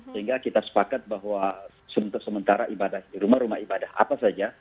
sehingga kita sepakat bahwa sementara ibadah di rumah rumah ibadah apa saja